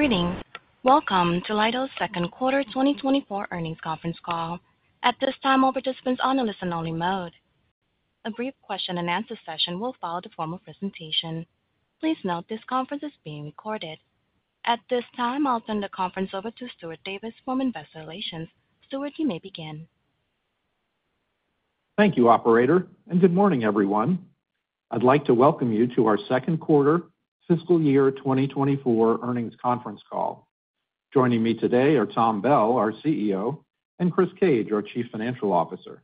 Greetings. Welcome to Leidos' second quarter 2024 earnings conference call. At this time, all participants are on a listen-only mode. A brief question-and-answer session will follow the formal presentation. Please note this conference is being recorded. At this time, I'll turn the conference over to Stuart Davis from Investor Relations. Stuart, you may begin. Thank you, Operator, and good morning, everyone. I'd like to welcome you to our second quarter fiscal year 2024 earnings conference call. Joining me today are Tom Bell, our CEO, and Chris Cage, our Chief Financial Officer.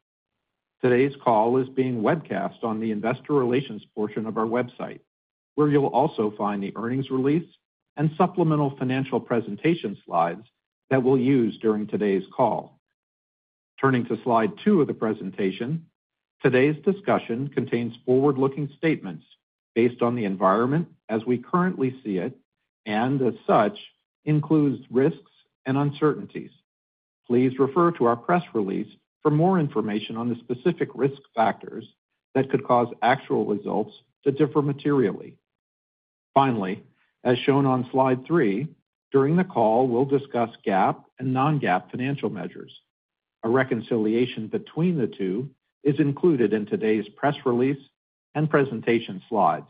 Today's call is being webcast on the Investor Relations portion of our website, where you'll also find the earnings release and supplemental financial presentation slides that we'll use during today's call. Turning to slide two of the presentation, today's discussion contains forward-looking statements based on the environment as we currently see it and, as such, includes risks and uncertainties. Please refer to our press release for more information on the specific risk factors that could cause actual results to differ materially. Finally, as shown on slide three, during the call, we'll discuss GAAP and non-GAAP financial measures. A reconciliation between the two is included in today's press release and presentation slides.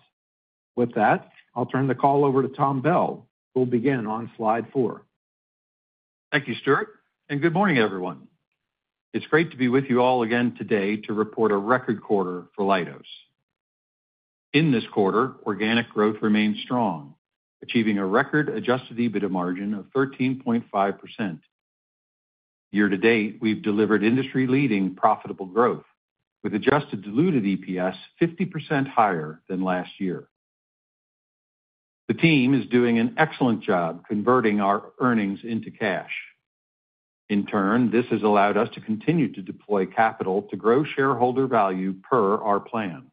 With that, I'll turn the call over to Tom Bell, who will begin on slide four. Thank you, Stuart, and good morning, everyone. It's great to be with you all again today to report a record quarter for Leidos. In this quarter, organic growth remained strong, achieving a record adjusted EBITDA margin of 13.5%. Year-to-date, we've delivered industry-leading profitable growth, with adjusted diluted EPS 50% higher than last year. The team is doing an excellent job converting our earnings into cash. In turn, this has allowed us to continue to deploy capital to grow shareholder value per our plan.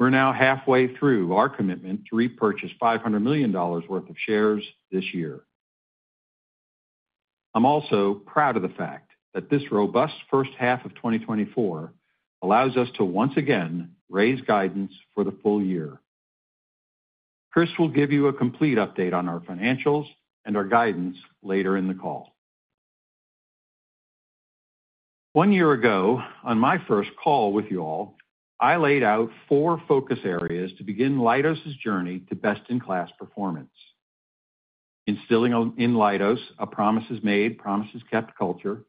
We're now halfway through our commitment to repurchase $500 million worth of shares this year. I'm also proud of the fact that this robust first half of 2024 allows us to once again raise guidance for the full year. Chris will give you a complete update on our financials and our guidance later in the call. One year ago, on my first call with you all, I laid out four focus areas to begin Leidos' journey to best-in-class performance: instilling in Leidos a promise is made, promises kept culture,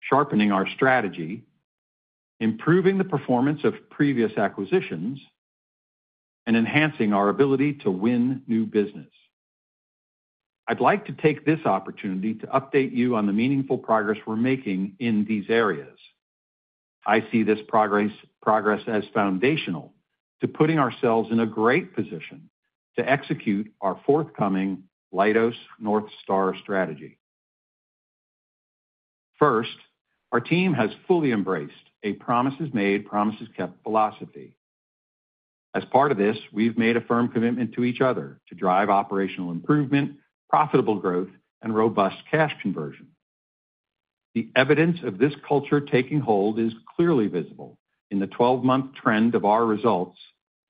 sharpening our strategy, improving the performance of previous acquisitions, and enhancing our ability to win new business. I'd like to take this opportunity to update you on the meaningful progress we're making in these areas. I see this progress as foundational to putting ourselves in a great position to execute our forthcoming Leidos North Star strategy. First, our team has fully embraced a promise is made, promises kept philosophy. As part of this, we've made a firm commitment to each other to drive operational improvement, profitable growth, and robust cash conversion. The evidence of this culture taking hold is clearly visible in the 12-month trend of our results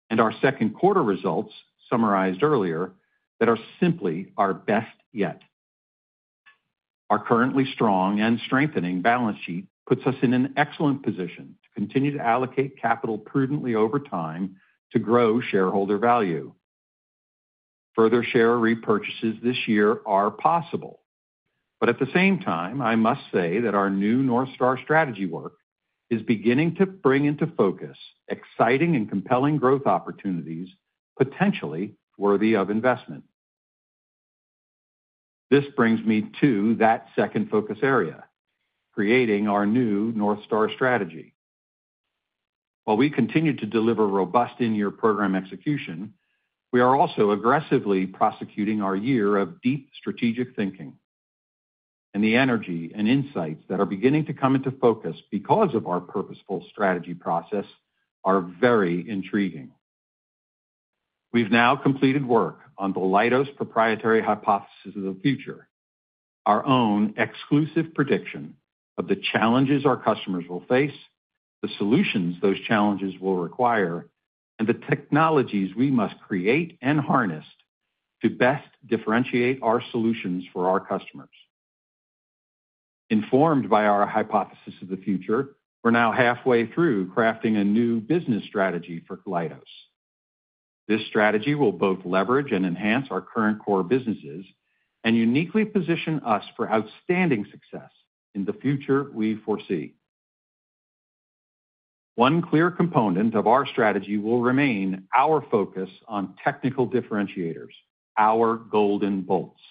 and our second quarter results summarized earlier that are simply our best yet. Our currently strong and strengthening balance sheet puts us in an excellent position to continue to allocate capital prudently over time to grow shareholder value. Further share repurchases this year are possible. But at the same time, I must say that our new North Star strategy work is beginning to bring into focus exciting and compelling growth opportunities potentially worthy of investment. This brings me to that second focus area: creating our new North Star strategy. While we continue to deliver robust in-year program execution, we are also aggressively prosecuting our year of deep strategic thinking. The energy and insights that are beginning to come into focus because of our purposeful strategy process are very intriguing. We've now completed work on the Leidos proprietary hypothesis of the future, our own exclusive prediction of the challenges our customers will face, the solutions those challenges will require, and the technologies we must create and harness to best differentiate our solutions for our customers. Informed by our hypothesis of the future, we're now halfway through crafting a new business strategy for Leidos. This strategy will both leverage and enhance our current core businesses and uniquely position us for outstanding success in the future we foresee. One clear component of our strategy will remain our focus on technical differentiators, our golden bolts.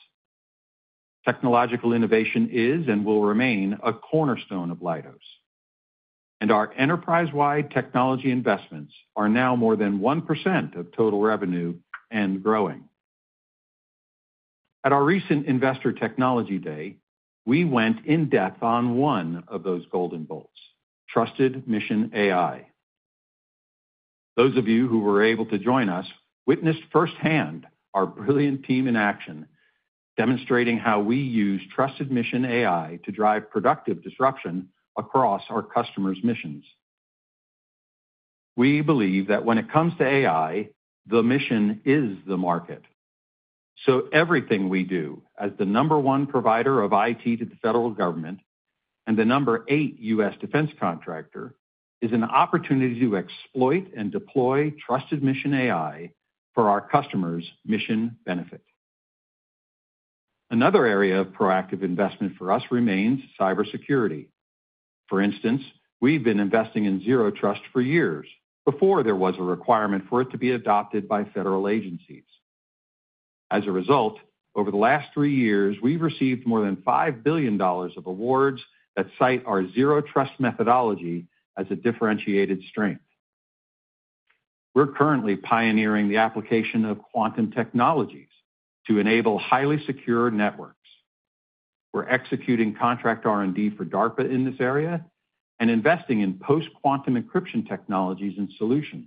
Technological innovation is and will remain a cornerstone of Leidos. Our enterprise-wide technology investments are now more than 1% of total revenue and growing. At our recent Investor Technology Day, we went in depth on one of those golden bolts: Trusted Mission AI. Those of you who were able to join us witnessed firsthand our brilliant team in action, demonstrating how we use Trusted Mission AI to drive productive disruption across our customers' missions. We believe that when it comes to AI, the mission is the market. So everything we do as the number one provider of IT to the federal government and the number eight U.S. defense contractor is an opportunity to exploit and deploy Trusted Mission AI for our customers' mission benefit. Another area of proactive investment for us remains cybersecurity. For instance, we've been investing in Zero Trust for years before there was a requirement for it to be adopted by federal agencies. As a result, over the last 3 years, we've received more than $5 billion of awards that cite our Zero Trust methodology as a differentiated strength. We're currently pioneering the application of quantum technologies to enable highly secure networks. We're executing contract R&D for DARPA in this area and investing in post-quantum encryption technologies and solutions.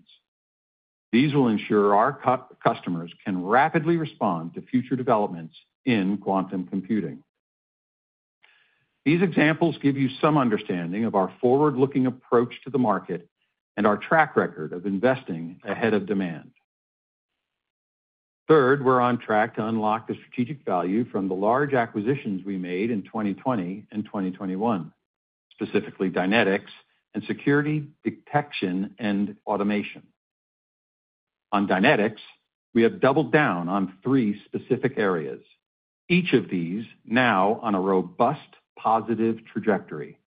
These will ensure our customers can rapidly respond to future developments in quantum computing. These examples give you some understanding of our forward-looking approach to the market and our track record of investing ahead of demand. Third, we're on track to unlock the strategic value from the large acquisitions we made in 2020 and 2021, specifically Dynetics and Security Detection & Automation. On Dynetics, we have doubled down on three specific areas, each of these now on a robust positive trajectory.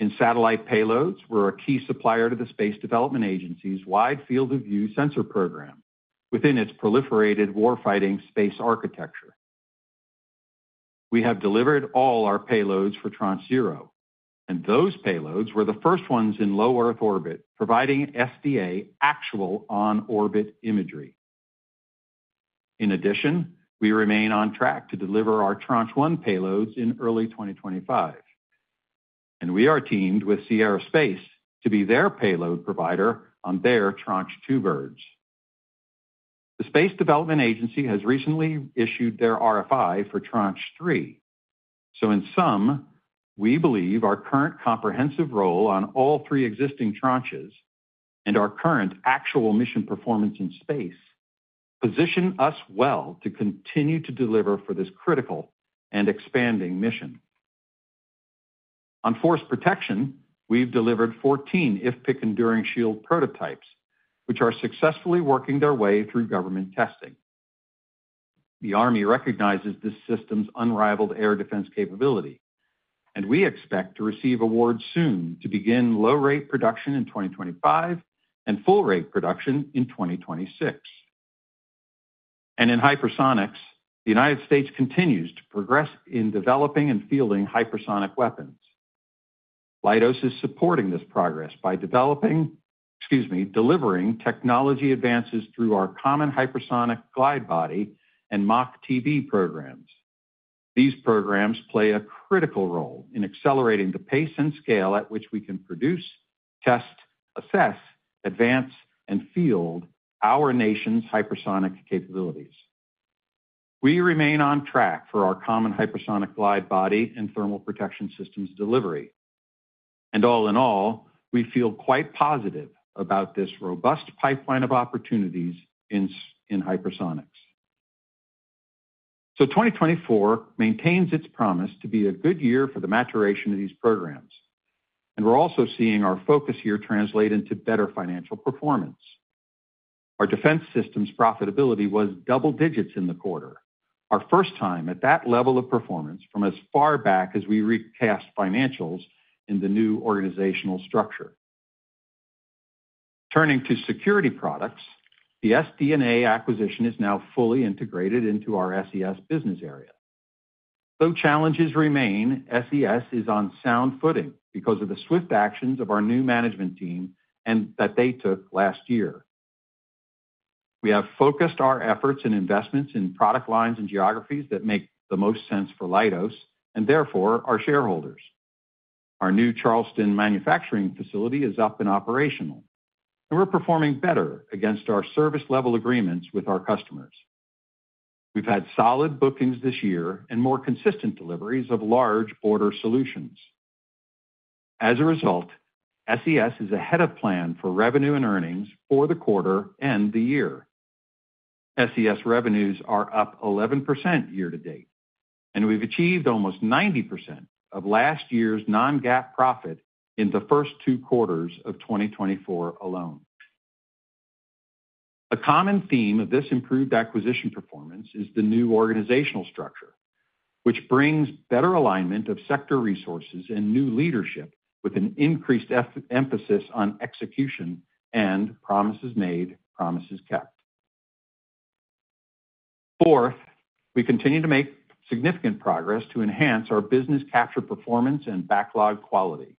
In satellite payloads, we're a key supplier to the Space Development Agency's Wide Field-of-View sensor program within its Proliferated Warfighting Space Architecture. We have delivered all our payloads for Tranche 0, and those payloads were the first ones in low Earth orbit providing SDA actual on-orbit imagery. In addition, we remain on track to deliver our Tranche 1 payloads in early 2025. We are teamed with Sierra Space to be their payload provider on their Tranche 2 birds. The Space Development Agency has recently issued their RFI for Tranche 3. So in sum, we believe our current comprehensive role on all three existing tranches and our current actual mission performance in space position us well to continue to deliver for this critical and expanding mission. On force protection, we've delivered 14 IFPC Enduring Shield prototypes, which are successfully working their way through government testing. The Army recognizes this system's unrivaled air defense capability, and we expect to receive awards soon to begin low-rate production in 2025 and full-rate production in 2026. In hypersonics, the United States continues to progress in developing and fielding hypersonic weapons. Leidos is supporting this progress by developing, excuse me, delivering technology advances through our Common Hypersonic Glide Body and MACH-TB programs. These programs play a critical role in accelerating the pace and scale at which we can produce, test, assess, advance, and field our nation's hypersonic capabilities. We remain on track for our Common Hypersonic Glide Body and thermal protection systems delivery. All in all, we feel quite positive about this robust pipeline of opportunities in hypersonics. So 2024 maintains its promise to be a good year for the maturation of these programs. We're also seeing our focus here translate into better financial performance. Our Defense Systems profitability was double digits in the quarter, our first time at that level of performance from as far back as we recast financials in the new organizational structure. Turning to security products, the SD&A acquisition is now fully integrated into our SES business area. Though challenges remain, SES is on sound footing because of the swift actions of our new management team and that they took last year. We have focused our efforts and investments in product lines and geographies that make the most sense for Leidos and therefore our shareholders. Our new Charleston manufacturing facility is up and operational, and we're performing better against our service-level agreements with our customers. We've had solid bookings this year and more consistent deliveries of large order solutions. As a result, SES is ahead of plan for revenue and earnings for the quarter and the year. SES revenues are up 11% year-to-date, and we've achieved almost 90% of last year's non-GAAP profit in the first two quarters of 2024 alone. A common theme of this improved acquisition performance is the new organizational structure, which brings better alignment of sector resources and new leadership with an increased emphasis on execution and promises made, promises kept. Fourth, we continue to make significant progress to enhance our business capture performance and backlog quality.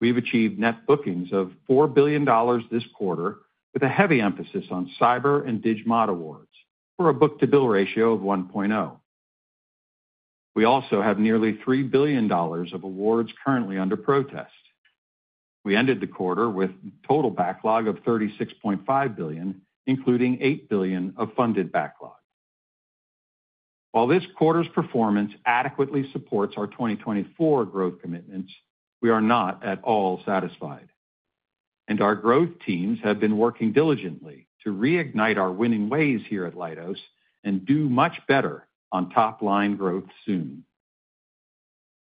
We've achieved net bookings of $4 billion this quarter with a heavy emphasis on cyber and DigMod awards for a book-to-bill ratio of 1.0. We also have nearly $3 billion of awards currently under protest. We ended the quarter with total backlog of $36.5 billion, including $8 billion of funded backlog. While this quarter's performance adequately supports our 2024 growth commitments, we are not at all satisfied. Our growth teams have been working diligently to reignite our winning ways here at Leidos and do much better on top-line growth soon.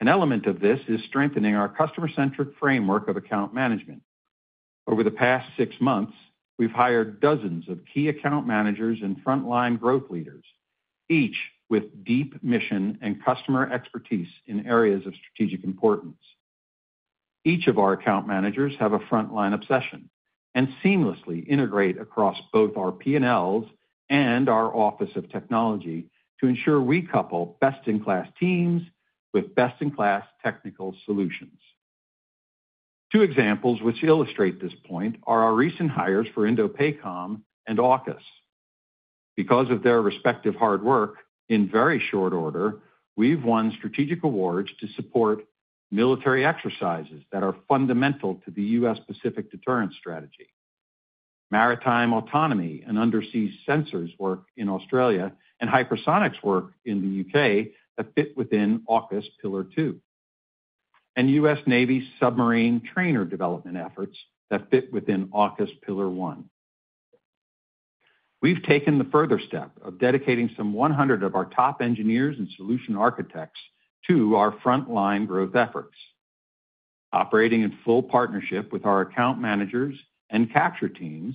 An element of this is strengthening our customer-centric framework of account management. Over the past six months, we've hired dozens of key account managers and front-line growth leaders, each with deep mission and customer expertise in areas of strategic importance. Each of our account managers has a front-line obsession and seamlessly integrates across both our P&Ls and our Office of Technology to ensure we couple best-in-class teams with best-in-class technical solutions. Two examples which illustrate this point are our recent hires for INDOPACOM and AUKUS. Because of their respective hard work, in very short order, we've won strategic awards to support military exercises that are fundamental to the U.S. Pacific deterrence strategy. Maritime autonomy and undersea sensors work in Australia and hypersonics work in the U.K. that fit within AUKUS Pillar 2, and U.S. Navy submarine trainer development efforts that fit within AUKUS Pillar 1. We've taken the further step of dedicating some 100 of our top engineers and solution architects to our front-line growth efforts. Operating in full partnership with our account managers and capture teams,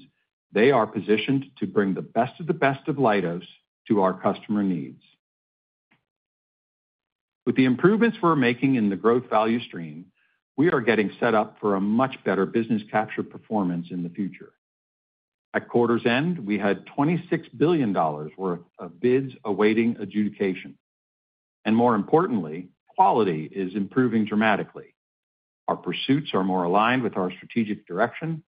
they are positioned to bring the best of the best of Leidos to our customer needs. With the improvements we're making in the growth value stream, we are getting set up for a much better business capture performance in the future. At quarter's end, we had $26 billion worth of bids awaiting adjudication. More importantly, quality is improving dramatically. Our pursuits are more aligned with our strategic direction,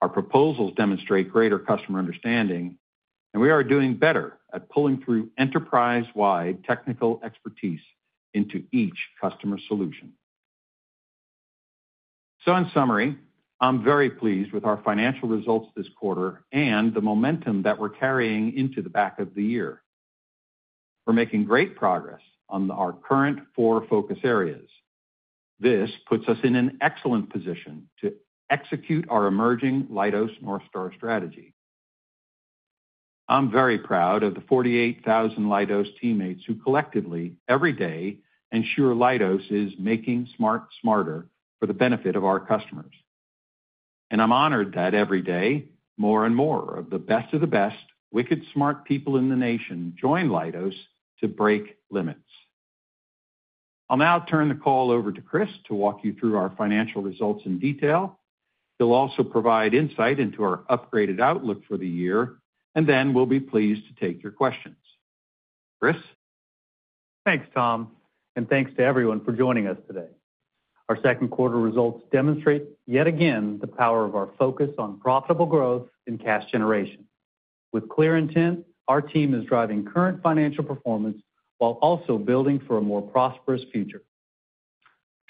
our proposals demonstrate greater customer understanding, and we are doing better at pulling through enterprise-wide technical expertise into each customer solution. So in summary, I'm very pleased with our financial results this quarter and the momentum that we're carrying into the back of the year. We're making great progress on our current four focus areas. This puts us in an excellent position to execute our emerging Leidos North Star strategy. I'm very proud of the 48,000 Leidos teammates who collectively, every day, ensure Leidos is making smart smarter for the benefit of our customers. And I'm honored that every day, more and more of the best of the best, wicked smart people in the nation join Leidos to break limits. I'll now turn the call over to Chris to walk you through our financial results in detail. He'll also provide insight into our upgraded outlook for the year, and then we'll be pleased to take your questions. Chris? Thanks, Tom. And thanks to everyone for joining us today. Our second quarter results demonstrate yet again the power of our focus on profitable growth in cash generation. With clear intent, our team is driving current financial performance while also building for a more prosperous future.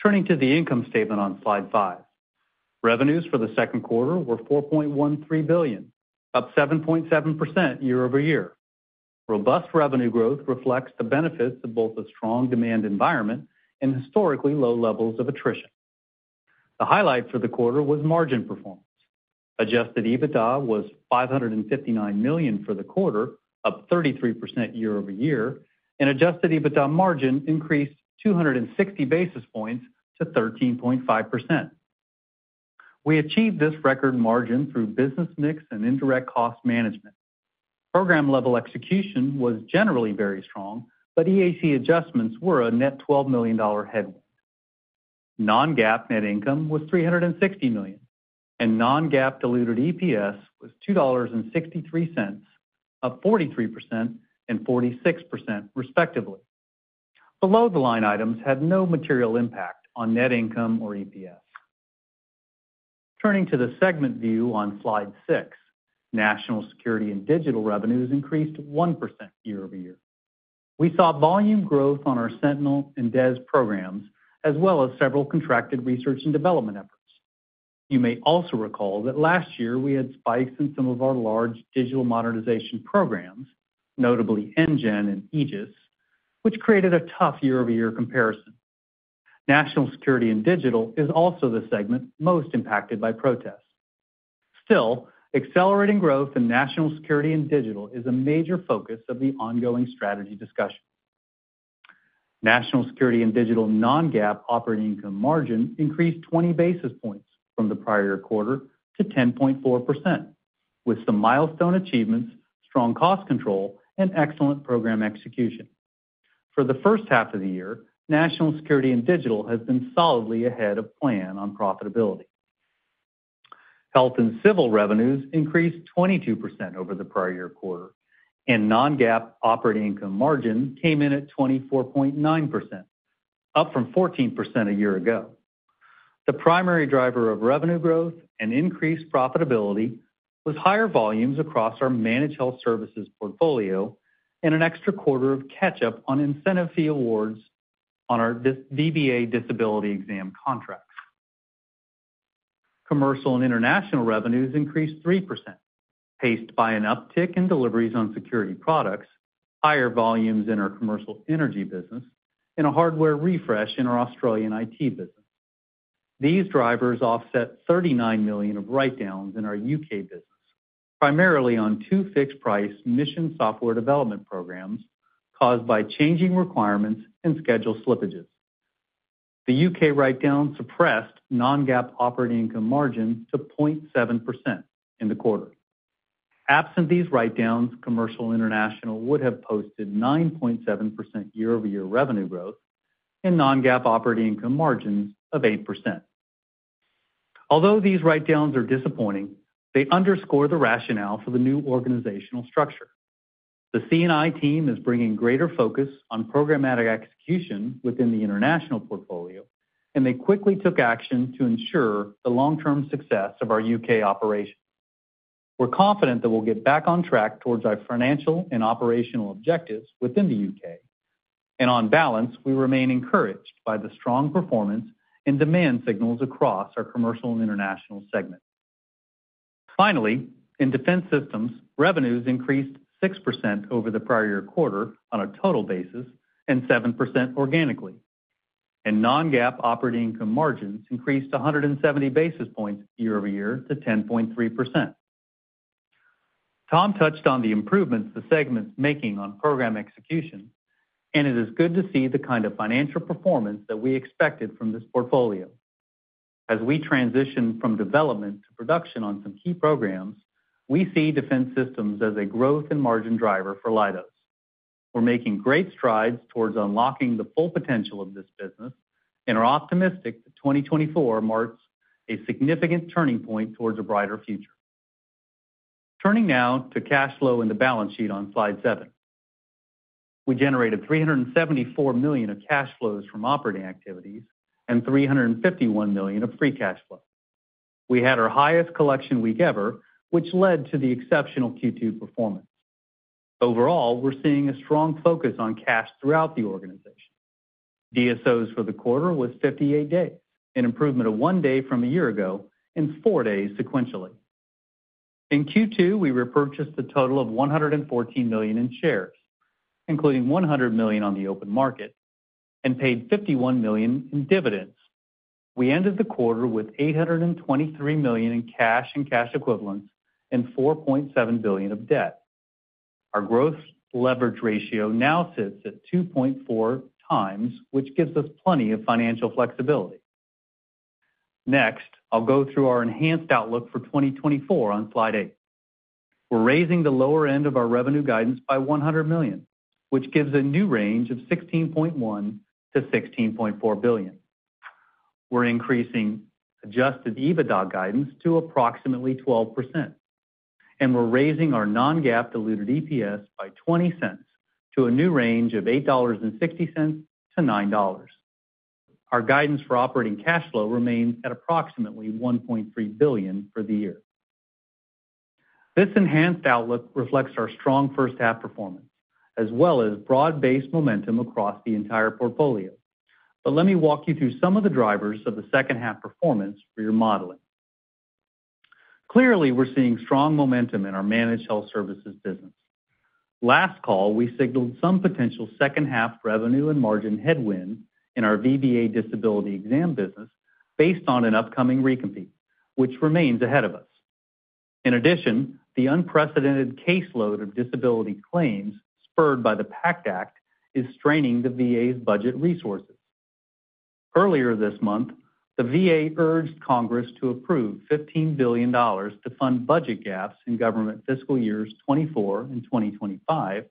Turning to the income statement on slide five, revenues for the second quarter were $4.13 billion, up 7.7% year-over-year. Robust revenue growth reflects the benefits of both a strong demand environment and historically low levels of attrition. The highlight for the quarter was margin performance. Adjusted EBITDA was $559 million for the quarter, up 33% year-over-year, and adjusted EBITDA margin increased 260 basis points to 13.5%. We achieved this record margin through business mix and indirect cost management. Program-level execution was generally very strong, but EAC adjustments were a net $12 million headwind. Non-GAAP net income was $360 million, and non-GAAP diluted EPS was $2.63, up 43% and 46% respectively. Below-the-line items had no material impact on net income or EPS. Turning to the segment view on slide six, National Security and Digital revenues increased 1% year-over-year. We saw volume growth on our Sentinel and DES programs, as well as several contracted research and development efforts. You may also recall that last year we had spikes in some of our large digital modernization programs, notably NGEN and AEGIS, which created a tough year-over-year comparison. National Security and Digital is also the segment most impacted by protests. Still, accelerating growth in National Security and Digital is a major focus of the ongoing strategy discussion. National Security and Digital non-GAAP operating income margin increased 20 basis points from the prior quarter to 10.4%, with some milestone achievements, strong cost control, and excellent program execution. For the first half of the year, National Security and Digital has been solidly ahead of plan on profitability. Health & Civil revenues increased 22% over the prior year quarter, and non-GAAP operating income margin came in at 24.9%, up from 14% a year ago. The primary driver of revenue growth and increased profitability was higher volumes across our managed health services portfolio and an extra quarter of catch-up on incentive fee awards on our VBA disability exam contracts. Commercial & International revenues increased 3%, paced by an uptick in deliveries on security products, higher volumes in our commercial energy business, and a hardware refresh in our Australian IT business. These drivers offset $39 million of write-downs in our U.K. business, primarily on two fixed-price mission software development programs caused by changing requirements and schedule slippages. The U.K. write-down suppressed non-GAAP operating income margin to 0.7% in the quarter. Absent these write-downs, commercial international would have posted 9.7% year-over-year revenue growth and non-GAAP operating income margins of 8%. Although these write-downs are disappointing, they underscore the rationale for the new organizational structure. The C&I team is bringing greater focus on programmatic execution within the international portfolio, and they quickly took action to ensure the long-term success of our U.K. operations. We're confident that we'll get back on track towards our financial and operational objectives within the U.K. On balance, we remain encouraged by the strong performance and demand signals across our Commercial & International segment. Finally, in Defense Systems, revenues increased 6% over the prior-year quarter on a total basis and 7% organically. Non-GAAP operating income margins increased 170 basis points year-over-year to 10.3%. Tom touched on the improvements the segment's making on program execution, and it is good to see the kind of financial performance that we expected from this portfolio. As we transition from development to production on some key programs, we see Defense Systems as a growth and margin driver for Leidos. We're making great strides towards unlocking the full potential of this business and are optimistic that 2024 marks a significant turning point towards a brighter future. Turning now to cash flow in the balance sheet on slide seven. We generated $374 million of cash flows from operating activities and $351 million of free cash flow. We had our highest collection week ever, which led to the exceptional Q2 performance. Overall, we're seeing a strong focus on cash throughout the organization. DSOs for the quarter was 58 days, an improvement of one day from a year ago and four days sequentially. In Q2, we repurchased a total of $114 million in shares, including $100 million on the open market, and paid $51 million in dividends. We ended the quarter with $823 million in cash and cash equivalents and $4.7 billion of debt. Our growth leverage ratio now sits at 2.4x, which gives us plenty of financial flexibility. Next, I'll go through our enhanced outlook for 2024 on slide eight. We're raising the lower end of our revenue guidance by $100 million, which gives a new range of $16.1 billion-$16.4 billion. We're increasing adjusted EBITDA guidance to approximately 12%. And we're raising our non-GAAP diluted EPS by $0.20 to a new range of $8.60-$9. Our guidance for operating cash flow remains at approximately $1.3 billion for the year. This enhanced outlook reflects our strong first-half performance, as well as broad-based momentum across the entire portfolio. But let me walk you through some of the drivers of the second-half performance for your modeling. Clearly, we're seeing strong momentum in our managed health services business. Last call, we signaled some potential second-half revenue and margin headwind in our VBA disability exam business based on an upcoming recompute, which remains ahead of us. In addition, the unprecedented caseload of disability claims spurred by the PACT Act is straining the VA's budget resources. Earlier this month, the VA urged Congress to approve $15 billion to fund budget gaps in government fiscal years 2024 and 2025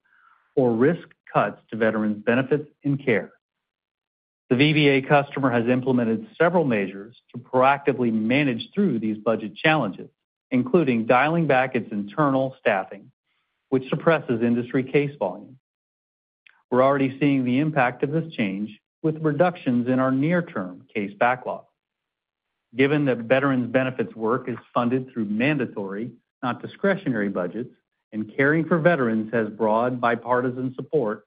for risk cuts to veterans' benefits and care. The VBA customer has implemented several measures to proactively manage through these budget challenges, including dialing back its internal staffing, which suppresses industry case volume. We're already seeing the impact of this change with reductions in our near-term case backlog. Given that veterans' benefits work is funded through mandatory, not discretionary budgets, and caring for veterans has broad bipartisan support,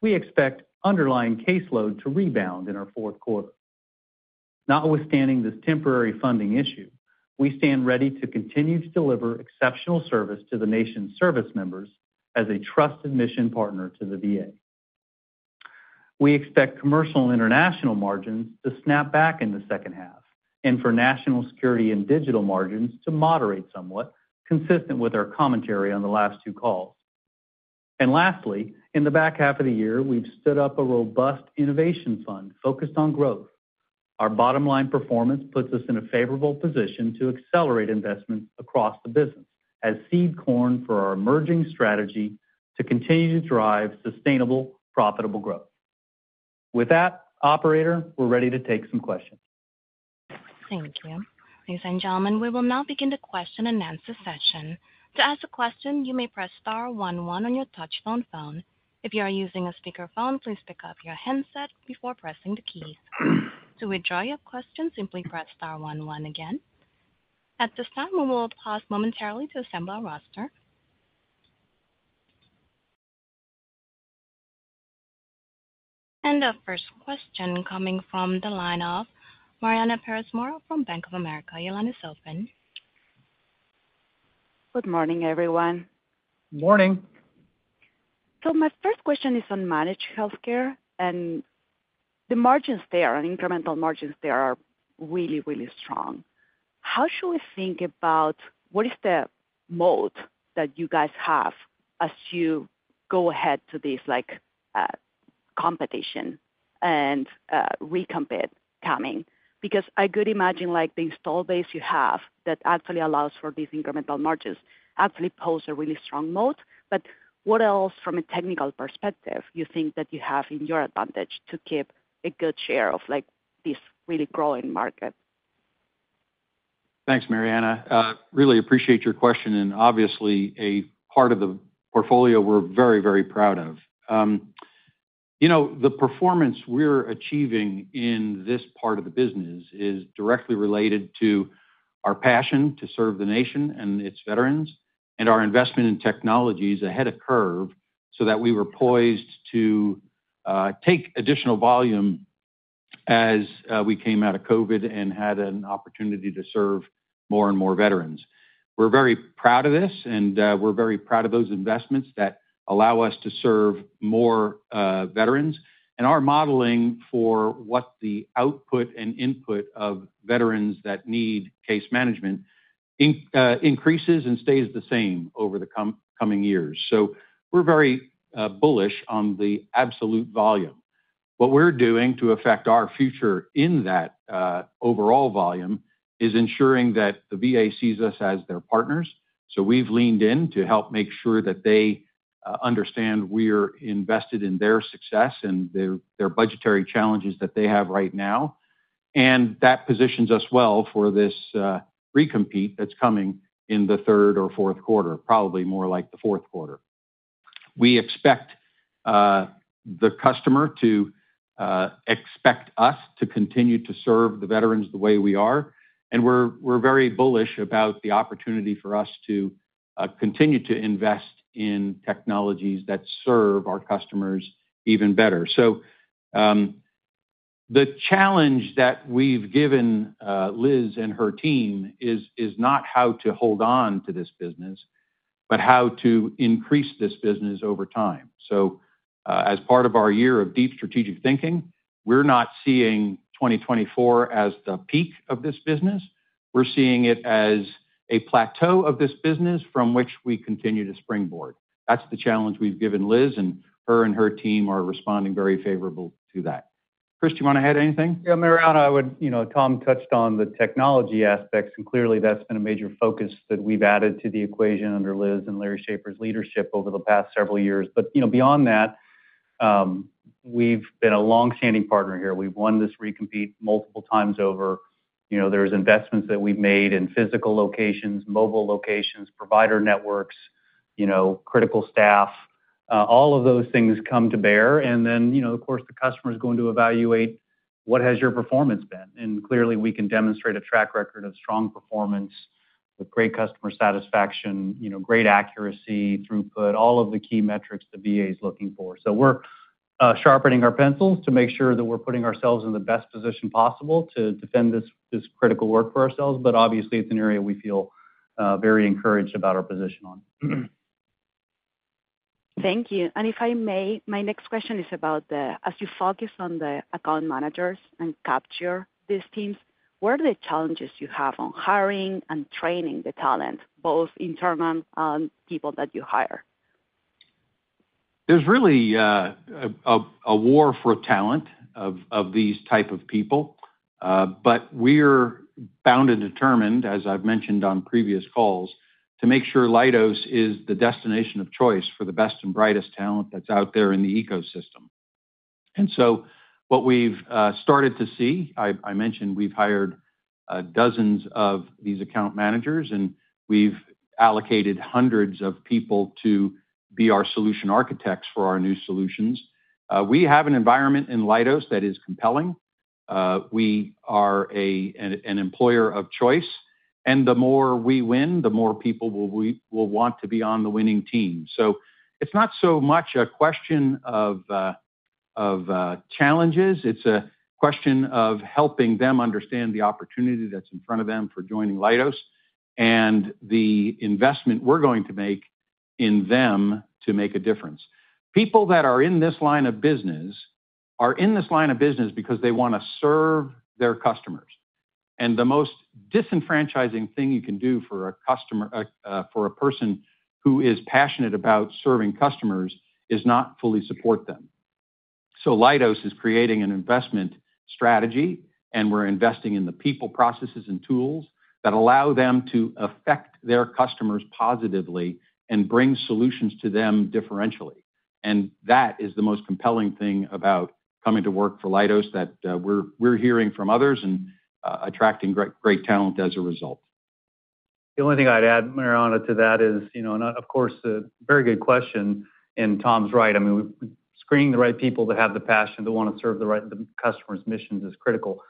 we expect underlying caseload to rebound in our fourth quarter. Notwithstanding this temporary funding issue, we stand ready to continue to deliver exceptional service to the nation's service members as a trusted mission partner to the VA. We expect Commercial & International margins to snap back in the second half and for National Security and Digital margins to moderate somewhat, consistent with our commentary on the last two calls. And lastly, in the back half of the year, we've stood up a robust innovation fund focused on growth. Our bottom-line performance puts us in a favorable position to accelerate investments across the business as seed corn for our emerging strategy to continue to drive sustainable, profitable growth. With that, operator, we're ready to take some questions. Thank you. Ladies and gentlemen, we will now begin the question-and-answer session. To ask a question, you may press star one one on your touch phone. If you are using a speakerphone, please pick up your handset before pressing the keys. To withdraw your question, simply press star one one again. At this time, we will pause momentarily to assemble our roster. Our first question is coming from the line of Mariana Perez Mora from Bank of America. Your line is open. Good morning, everyone. Good Morning. So my first question is on managed healthcare, and the margins there, incremental margins there, are really, really strong. How should we think about what is the moat that you guys have as you go ahead to this competition and recompete coming? Because I could imagine the install base you have that actually allows for these incremental margins actually poses a really strong moat. But what else, from a technical perspective, do you think that you have in your advantage to keep a good share of this really growing market? Thanks, Mariana. Really appreciate your question, and obviously, a part of the portfolio we're very, very proud of. The performance we're achieving in this part of the business is directly related to our passion to serve the nation and its veterans and our investment in technologies ahead of curve so that we were poised to take additional volume as we came out of COVID and had an opportunity to serve more and more veterans. We're very proud of this, and we're very proud of those investments that allow us to serve more veterans. And our modeling for what the output and input of veterans that need case management increases and stays the same over the coming years. So we're very bullish on the absolute volume. What we're doing to affect our future in that overall volume is ensuring that the VA sees us as their partners. So we've leaned in to help make sure that they understand we're invested in their success and their budgetary challenges that they have right now. And that positions us well for this recompete that's coming in the third or fourth quarter, probably more like the fourth quarter. We expect the customer to expect us to continue to serve the veterans the way we are. And we're very bullish about the opportunity for us to continue to invest in technologies that serve our customers even better. So the challenge that we've given Liz and her team is not how to hold on to this business, but how to increase this business over time. So as part of our year of deep strategic thinking, we're not seeing 2024 as the peak of this business. We're seeing it as a plateau of this business from which we continue to springboard. That's the challenge we've given Liz, and her and her team are responding very favorably to that. Chris, do you want to add anything? Yeah, Mariana, I would. Tom touched on the technology aspects, and clearly, that's been a major focus that we've added to the equation under Liz and Larry Schaefer's leadership over the past several years. But beyond that, we've been a long-standing partner here. We've won this recompete multiple times over. There's investments that we've made in physical locations, mobile locations, provider networks, critical staff. All of those things come to bear. And then, of course, the customer is going to evaluate what has your performance been. Clearly, we can demonstrate a track record of strong performance with great customer satisfaction, great accuracy, throughput, all of the key metrics the VA is looking for. So we're sharpening our pencils to make sure that we're putting ourselves in the best position possible to defend this critical work for ourselves. But obviously, it's an area we feel very encouraged about our position on. Thank you. If I may, my next question is about, as you focus on the account managers and capture these teams, what are the challenges you have on hiring and training the talent, both internal and people that you hire? There's really a war for talent of these types of people. But we're bound and determined, as I've mentioned on previous calls, to make sure Leidos is the destination of choice for the best and brightest talent that's out there in the ecosystem. So what we've started to see, I mentioned we've hired dozens of these account managers, and we've allocated hundreds of people to be our solution architects for our new solutions. We have an environment in Leidos that is compelling. We are an employer of choice. The more we win, the more people will want to be on the winning team. So it's not so much a question of challenges. It's a question of helping them understand the opportunity that's in front of them for joining Leidos and the investment we're going to make in them to make a difference. People that are in this line of business are in this line of business because they want to serve their customers. The most disenfranchising thing you can do for a person who is passionate about serving customers is not fully support them. So Leidos is creating an investment strategy, and we're investing in the people, processes, and tools that allow them to affect their customers positively and bring solutions to them differentially. That is the most compelling thing about coming to work for Leidos that we're hearing from others and attracting great talent as a result. The only thing I'd add, Mariana, to that is, of course, a very good question. Tom's right. I mean, screening the right people to have the passion to want to serve the customer's missions is critical.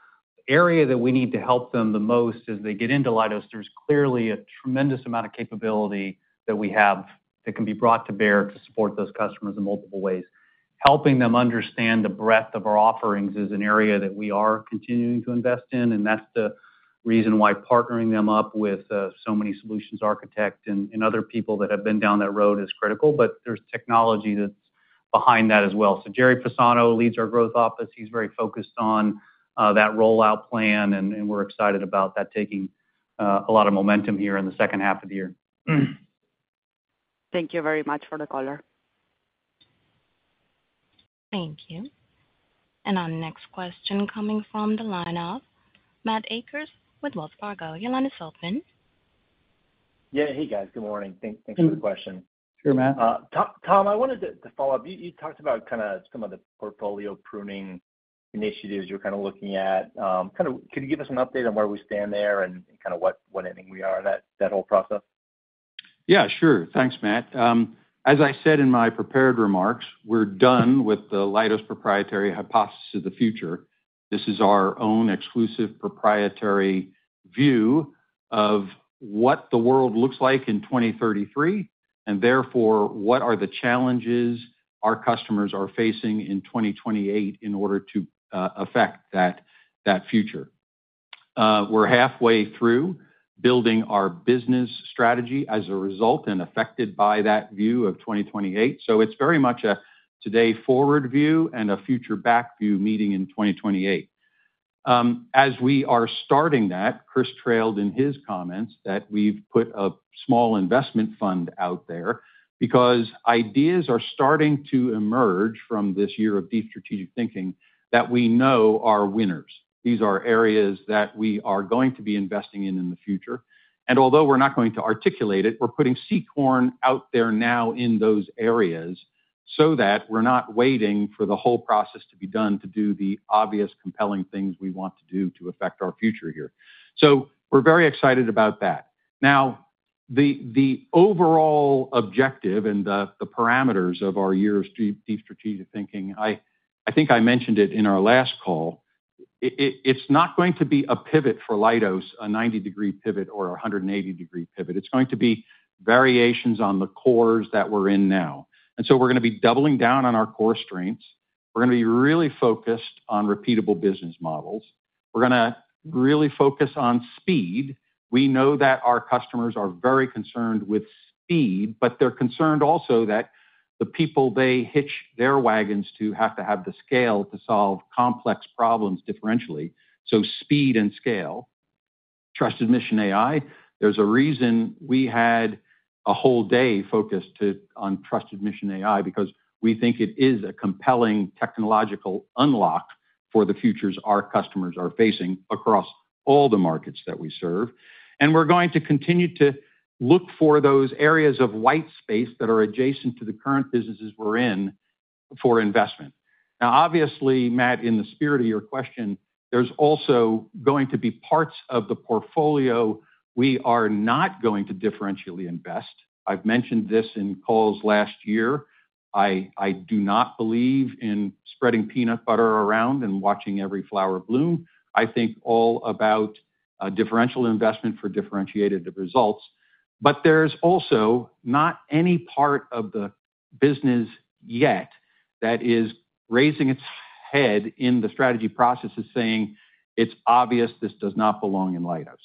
The area that we need to help them the most as they get into Leidos. There's clearly a tremendous amount of capability that we have that can be brought to bear to support those customers in multiple ways. Helping them understand the breadth of our offerings is an area that we are continuing to invest in. And that's the reason why partnering them up with so many solutions architects and other people that have been down that road is critical. But there's technology that's behind that as well. So Gerry Fasano leads our growth office. He's very focused on that rollout plan, and we're excited about that taking a lot of momentum here in the second half of the year. Thank you very much for the color. Thank you. And our next question coming from the line of Matt Akers with Wells Fargo. Your line is open. Yeah. Hey, guys. Good morning. Thanks for the question. Sure, Matt. Tom, I wanted to follow up. You talked about kind of some of the portfolio pruning initiatives you're kind of looking at. Could you give us an update on where we stand there and kind of what ending we are in that whole process? Yeah, sure. Thanks, Matt. As I said in my prepared remarks, we're done with the Leidos proprietary hypothesis of the future. This is our own exclusive proprietary view of what the world looks like in 2033, and therefore, what are the challenges our customers are facing in 2028 in order to affect that future. We're halfway through building our business strategy as a result and affected by that view of 2028. So it's very much a today-forward view and a future-back view meeting in 2028. As we are starting that, Chris trailed in his comments that we've put a small investment fund out there because ideas are starting to emerge from this year of deep strategic thinking that we know are winners. These are areas that we are going to be investing in in the future. And although we're not going to articulate it, we're putting seed corn out there now in those areas so that we're not waiting for the whole process to be done to do the obvious compelling things we want to do to affect our future here. So we're very excited about that. Now, the overall objective and the parameters of our year's deep strategic thinking, I think I mentioned it in our last call, it's not going to be a pivot for Leidos, a 90-degree pivot or a 180-degree pivot. It's going to be variations on the cores that we're in now. And so we're going to be doubling down on our core strengths. We're going to be really focused on repeatable business models. We're going to really focus on speed. We know that our customers are very concerned with speed, but they're concerned also that the people they hitch their wagons to have to have the scale to solve complex problems differentially. So speed and scale. Trusted Mission AI. There's a reason we had a whole day focused on Trusted Mission AI because we think it is a compelling technological unlock for the futures our customers are facing across all the markets that we serve. And we're going to continue to look for those areas of white space that are adjacent to the current businesses we're in for investment. Now, obviously, Matt, in the spirit of your question, there's also going to be parts of the portfolio we are not going to differentially invest. I've mentioned this in calls last year. I do not believe in spreading peanut butter around and watching every flower bloom. I think all about differential investment for differentiated results. But there's also not any part of the business yet that is raising its head in the strategy processes saying, "It's obvious this does not belong in Leidos."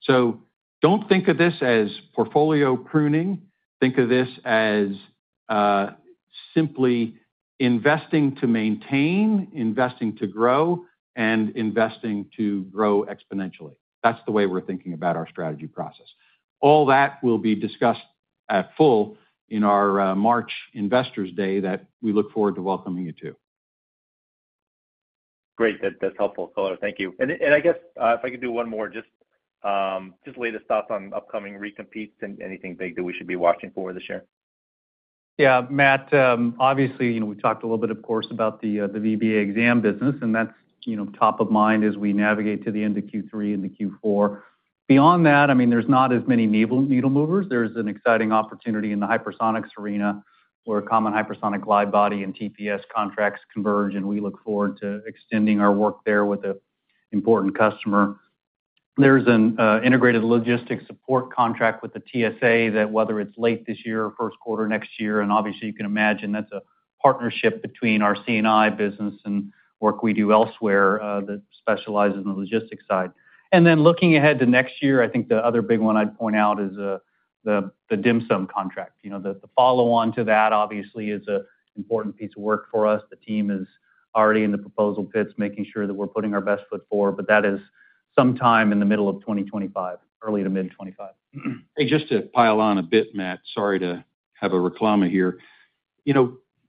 So don't think of this as portfolio pruning. Think of this as simply investing to maintain, investing to grow, and investing to grow exponentially. That's the way we're thinking about our strategy process. All that will be discussed at full in our March Investors Day that we look forward to welcoming you to. Great. That's helpful, color. Thank you. And I guess if I could do one more, just latest thoughts on upcoming recompetes and anything big that we should be watching for this year. Yeah, Matt, obviously, we talked a little bit, of course, about the VBA exam business, and that's top of mind as we navigate to the end of Q3 and the Q4. Beyond that, I mean, there's not as many needle movers. There's an exciting opportunity in the hypersonics arena where Common Hypersonic Glide Body and TPS contracts converge, and we look forward to extending our work there with an important customer. There's an integrated logistics support contract with the TSA that, whether it's late this year or first quarter next year, and obviously, you can imagine that's a partnership between our C&I business and work we do elsewhere that specializes in the logistics side. And then looking ahead to next year, I think the other big one I'd point out is the DHMSM contract. The follow-on to that, obviously, is an important piece of work for us. The team is already in the proposal pits, making sure that we're putting our best foot forward. But that is sometime in the middle of 2025, early to mid-2025. Hey, just to pile on a bit, Matt, sorry to have a reclama here.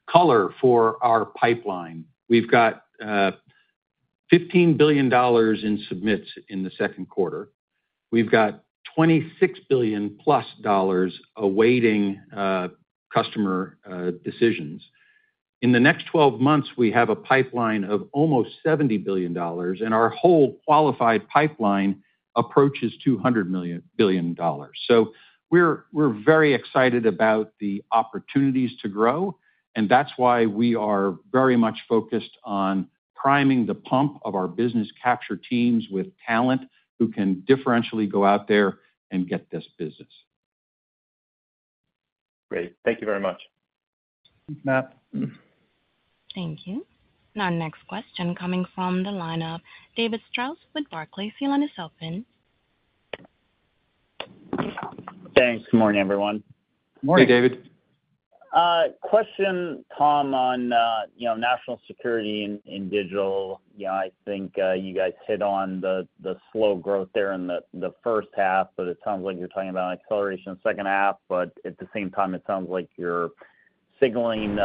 Color, for our pipeline, we've got $15 billion in submits in the second quarter. We've got $26 billion+ awaiting customer decisions. In the next 12 months, we have a pipeline of almost $70 billion, and our whole qualified pipeline approaches $200 billion. So we're very excited about the opportunities to grow, and that's why we are very much focused on priming the pump of our business capture teams with talent who can differentially go out there and get this business. Great. Thank you very much. Thank you, Matt. Thank you. Now, next question coming from the line of David Strauss with Barclays, Your line is now open. Thanks. Good morning, everyone. Good morning, David. Question, Tom, on National Security and Digital. I think you guys hit on the slow growth there in the first half, but it sounds like you're talking about an acceleration in the second half. But at the same time, it sounds like you're signaling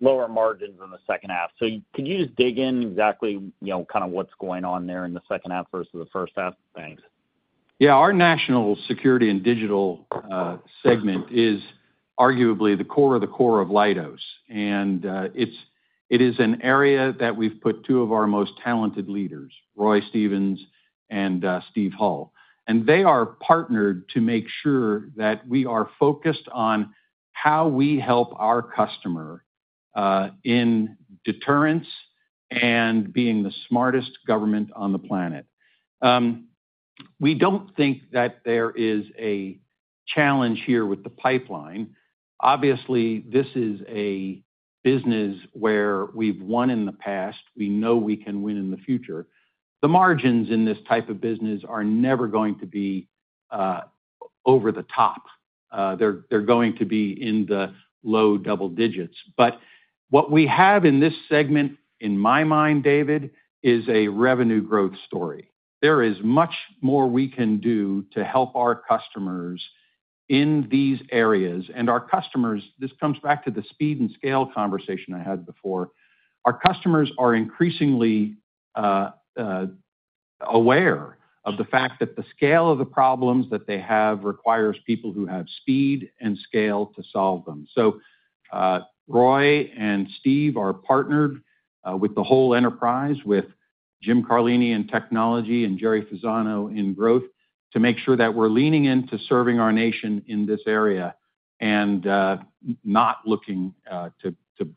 lower margins in the second half. So could you just dig in exactly kind of what's going on there in the second half versus the first half? Thanks. Yeah. Our National Security and Digital segment is arguably the core of the core of Leidos. And it is an area that we've put two of our most talented leaders, Roy Stevens and Steve Hull. And they are partnered to make sure that we are focused on how we help our customer in deterrence and being the smartest government on the planet. We don't think that there is a challenge here with the pipeline. Obviously, this is a business where we've won in the past. We know we can win in the future. The margins in this type of business are never going to be over the top. They're going to be in the low double digits. But what we have in this segment, in my mind, David, is a revenue growth story. There is much more we can do to help our customers in these areas. And our customers, this comes back to the speed and scale conversation I had before. Our customers are increasingly aware of the fact that the scale of the problems that they have requires people who have speed and scale to solve them. So Roy and Steve are partnered with the whole enterprise with Jim Carlini in technology and Gerry Fasano in growth to make sure that we're leaning into serving our nation in this area and not looking to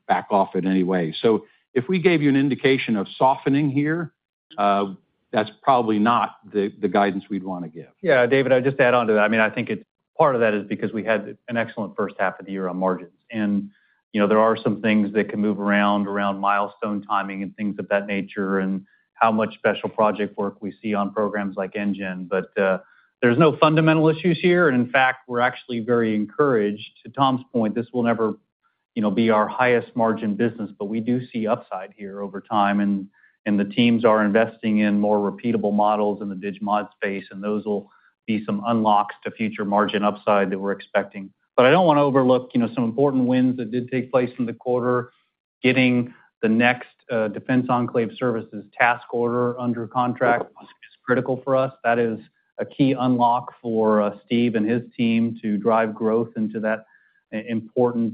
back off in any way. So if we gave you an indication of softening here, that's probably not the guidance we'd want to give. Yeah, David, I would just add on to that. I mean, I think part of that is because we had an excellent first half of the year on margins. And there are some things that can move around, around milestone timing and things of that nature and how much special project work we see on programs like NGEN. But there's no fundamental issues here. And in fact, we're actually very encouraged to Tom's point. This will never be our highest margin business, but we do see upside here over time. The teams are investing in more repeatable models in the DigMod space, and those will be some unlocks to future margin upside that we're expecting. I don't want to overlook some important wins that did take place in the quarter. Getting the next Defense Enclave Services task order under contract is critical for us. That is a key unlock for Steve and his team to drive growth into that important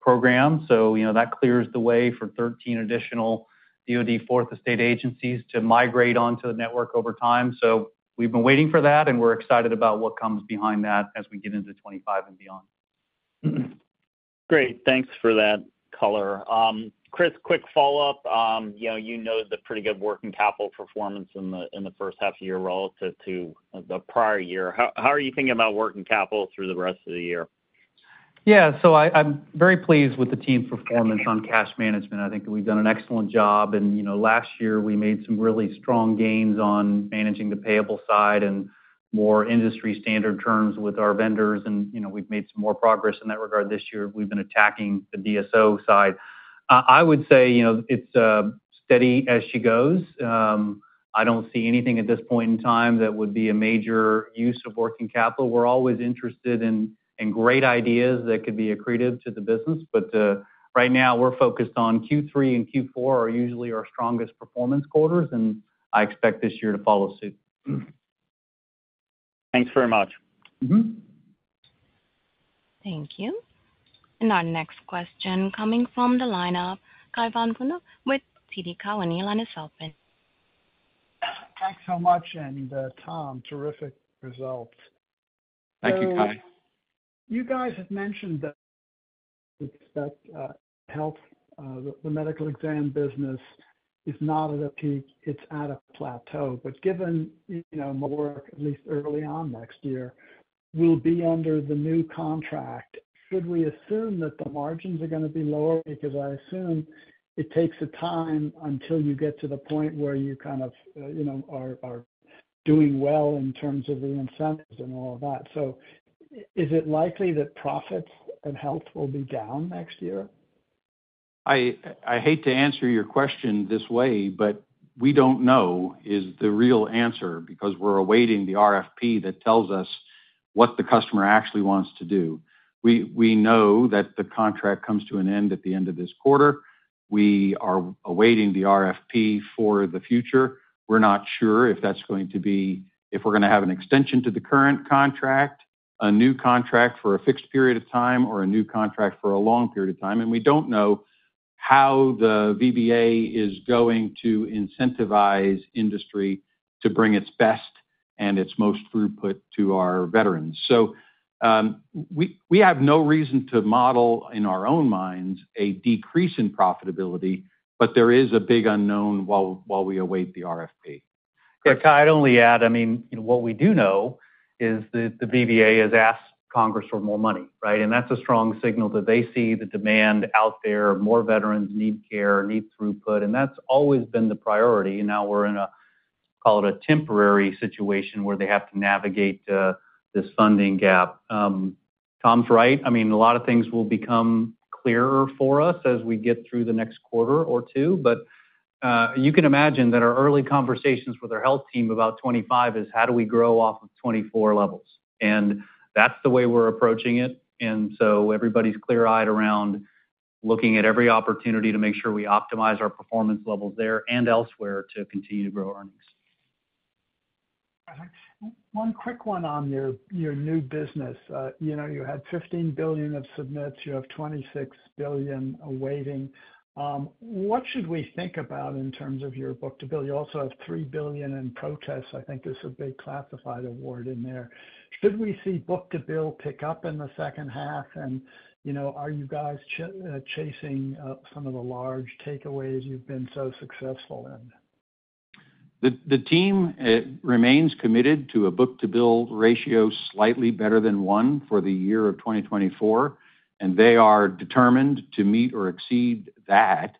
program. That clears the way for 13 additional DOD Fourth Estate agencies to migrate onto the network over time. We've been waiting for that, and we're excited about what comes behind that as we get into 2025 and beyond. Great. Thanks for that, color. Chris, quick follow-up. You know the pretty good working capital performance in the first half of the year relative to the prior year. How are you thinking about working capital through the rest of the year? Yeah. So I'm very pleased with the team's performance on cash management. I think we've done an excellent job. Last year, we made some really strong gains on managing the payable side and more industry standard terms with our vendors. We've made some more progress in that regard this year. We've been attacking the DSO side. I would say it's steady as she goes. I don't see anything at this point in time that would be a major use of working capital. We're always interested in great ideas that could be accretive to the business. But right now, we're focused on Q3 and Q4 are usually our strongest performance quarters, and I expect this year to follow suit. Thanks very much. Thank you. And our next question coming from the line of Cai von Rumohr with TD Cowen. Your line is open. Thanks so much. And Tom, terrific results. Thank you, Cai. You guys have mentioned that the medical exam business is not at a peak. It's at a plateau. But given more work, at least early on next year, we'll be under the new contract. Should we assume that the margins are going to be lower? Because I assume it takes a time until you get to the point where you kind of are doing well in terms of the incentives and all of that. So is it likely that profits and health will be down next year? I hate to answer your question this way, but "we don't know" is the real answer because we're awaiting the RFP that tells us what the customer actually wants to do. We know that the contract comes to an end at the end of this quarter. We are awaiting the RFP for the future. We're not sure if that's going to be if we're going to have an extension to the current contract, a new contract for a fixed period of time, or a new contract for a long period of time. We don't know how the VBA is going to incentivize industry to bring its best and its most throughput to our veterans. We have no reason to model in our own minds a decrease in profitability, but there is a big unknown while we await the RFP. Cai, I'd only add, I mean, what we do know is that the VBA has asked Congress for more money, right? And that's a strong signal that they see the demand out there. More veterans need care, need throughput. And that's always been the priority. And now we're in a, call it a temporary situation where they have to navigate this funding gap. Tom's right. I mean, a lot of things will become clearer for us as we get through the next quarter or two. But you can imagine that our early conversations with our health team about 2025 is how do we grow off of 2024 levels. And that's the way we're approaching it. And so everybody's clear-eyed around looking at every opportunity to make sure we optimize our performance levels there and elsewhere to continue to grow earnings. One quick one on your new business. You had $15 billion of submits. You have $26 billion awaiting. What should we think about in terms of your book-to-bill? You also have $3 billion in protests. I think there's a big classified award in there. Should we see book-to-bill pick up in the second half? Are you guys chasing some of the large takeaways you've been so successful in? The team remains committed to a book-to-bill ratio slightly better than 1 for the year of 2024. They are determined to meet or exceed that.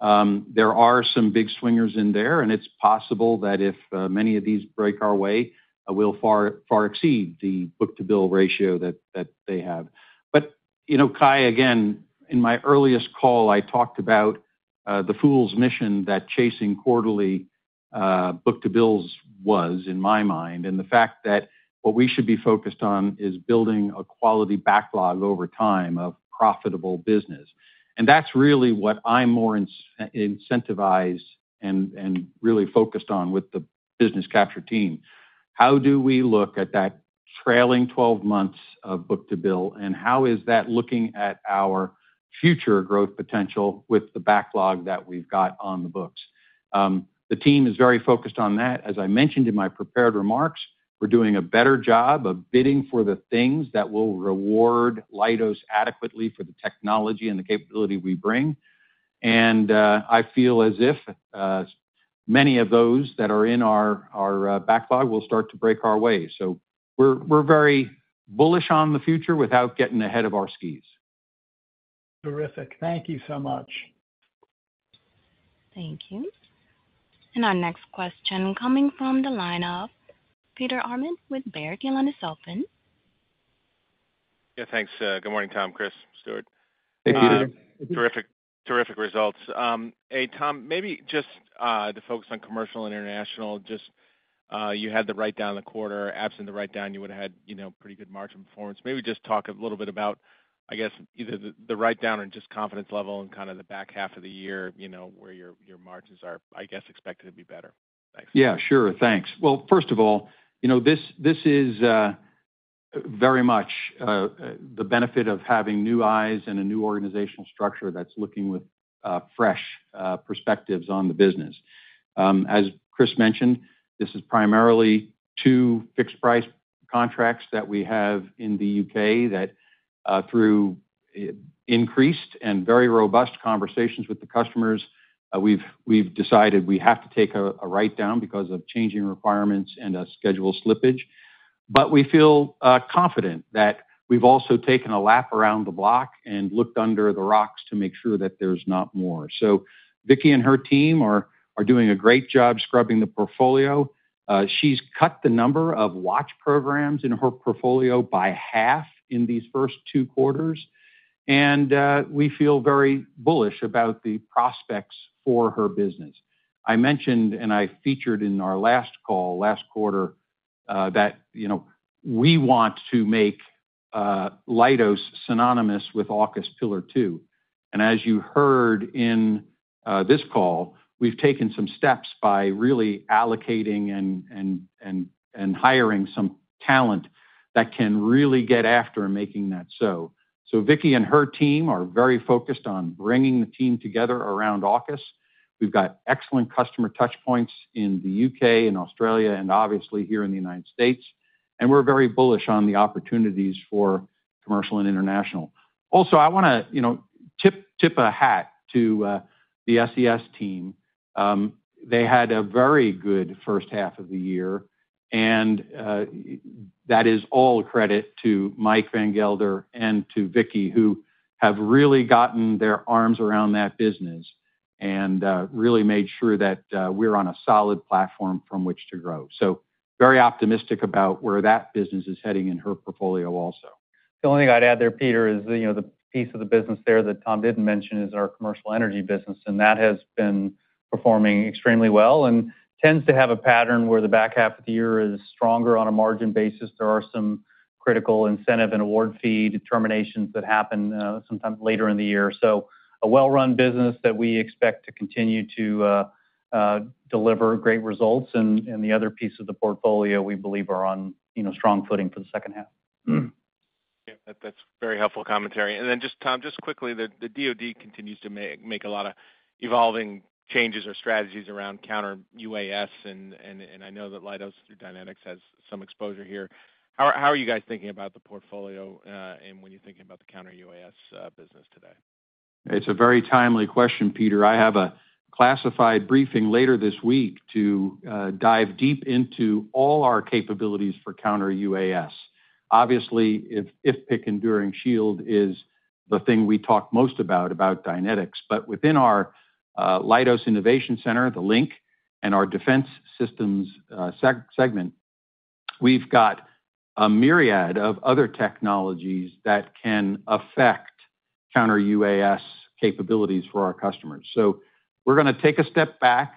There are some big swingers in there, and it's possible that if many of these break our way, we'll far exceed the book-to-bill ratio that they have. But Cai, again, in my earliest call, I talked about the fool's mission that chasing quarterly book-to-bill ratios was in my mind, and the fact that what we should be focused on is building a quality backlog over time of profitable business. And that's really what I'm more incentivized and really focused on with the business capture team. How do we look at that trailing 12 months of book-to-bill, and how is that looking at our future growth potential with the backlog that we've got on the books? The team is very focused on that. As I mentioned in my prepared remarks, we're doing a better job of bidding for the things that will reward Leidos adequately for the technology and the capability we bring. And I feel as if many of those that are in our backlog will start to break our way. So we're very bullish on the future without getting ahead of our skis. Terrific. Thank you so much. Thank you. And our next question coming from the line of Peter Arment with Baird. Your line is open. Yeah. Thanks. Good morning, Tom. Chris, Stuart. Hey. Terrific results. Hey, Tom, maybe just to focus on commercial international, just you had the write-down in the quarter. Absent the write-down, you would have had pretty good margin performance. Maybe just talk a little bit about, I guess, either the write-down or just confidence level and kind of the back half of the year where your margins are, I guess, expected to be better. Thanks. Yeah, sure. Thanks. Well, first of all, this is very much the benefit of having new eyes and a new organizational structure that's looking with fresh perspectives on the business. As Chris mentioned, this is primarily two fixed-price contracts that we have in the U.K. that, through increased and very robust conversations with the customers, we've decided we have to take a write-down because of changing requirements and a schedule slippage. But we feel confident that we've also taken a lap around the block and looked under the rocks to make sure that there's not more. So Vicki and her team are doing a great job scrubbing the portfolio. She's cut the number of watch programs in her portfolio by half in these first two quarters. And we feel very bullish about the prospects for her business. I mentioned and I featured in our last call, last quarter, that we want to make Leidos synonymous with AUKUS Pillar 2. And as you heard in this call, we've taken some steps by really allocating and hiring some talent that can really get after making that so. So Vicki and her team are very focused on bringing the team together around AUKUS. We've got excellent customer touchpoints in the U.K. and Australia and obviously here in the United States. And we're very bullish on the opportunities for Commercial & International. Also, I want to tip a hat to the SES team. They had a very good first half of the year. And that is all credit to Mike Van Gelder and to Vicki, who have really gotten their arms around that business and really made sure that we're on a solid platform from which to grow. So very optimistic about where that business is heading in her portfolio also. The only thing I'd add there, Peter, is the piece of the business there that Tom didn't mention is our commercial energy business. That has been performing extremely well and tends to have a pattern where the back half of the year is stronger on a margin basis. There are some critical incentive and award fee determinations that happen sometimes later in the year. So a well-run business that we expect to continue to deliver great results. The other piece of the portfolio, we believe, are on strong footing for the second half. Yeah. That's very helpful commentary. Then just, Tom, just quickly, the DoD continues to make a lot of evolving changes or strategies around counter-UAS. I know that Leidos Dynetics has some exposure here. How are you guys thinking about the portfolio and when you're thinking about the counter-UAS business today? It's a very timely question, Peter. I have a classified briefing later this week to dive deep into all our capabilities for counter-UAS. Obviously, IFPC Enduring Shield is the thing we talk most about, about Dynetics. But within our Leidos Innovations Center, the LINC, and our Defense Systems segment, we've got a myriad of other technologies that can affect counter-UAS capabilities for our customers. So we're going to take a step back,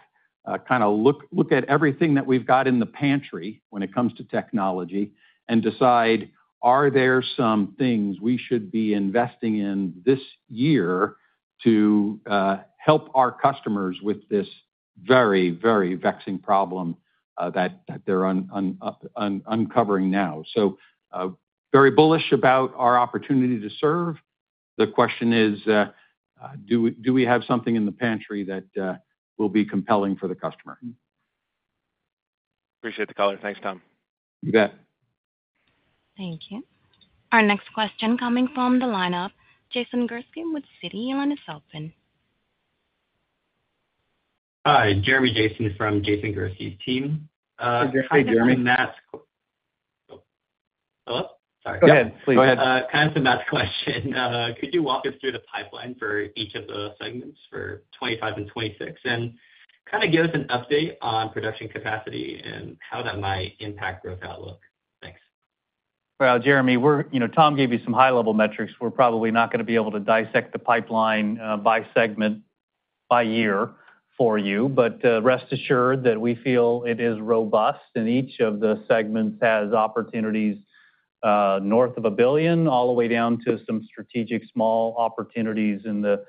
kind of look at everything that we've got in the pantry when it comes to technology and decide, are there some things we should be investing in this year to help our customers with this very, very vexing problem that they're uncovering now? So very bullish about our opportunity to serve. The question is, do we have something in the pantry that will be compelling for the customer? Appreciate the color. Thanks, Tom. You bet. Thank you. Our next question coming from the line of Jason Gursky with Citi. Your line is open. Hi, Jeremy Jason from Jason Gursky's team. Kind of some math question. Could you walk us through the pipeline for each of the segments for 2025 and 2026 and kind of give us an update on production capacity and how that might impact growth outlook? Thanks. Well, Jeremy, Tom gave you some high-level metrics. We're probably not going to be able to dissect the pipeline by segment by year for you. But rest assured that we feel it is robust. And each of the segments has opportunities north of $1 billion all the way down to some strategic small opportunities in the